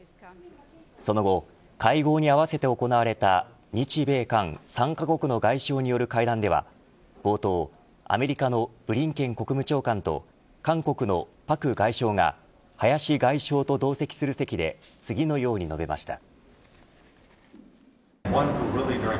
その後会合に合わせて行われた日米韓３カ国の外相による会談では冒頭アメリカのブリンケン国務長官と韓国のパク外相が林外相と同席する席で次のように述べました。